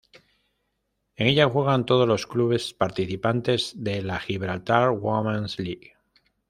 En ella juegan todos los clubes participantes de la Gibraltar Women's League.